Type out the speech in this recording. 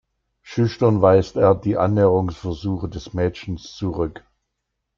Schüchtern weist er die Annäherungsversuche des Mädchens zurück.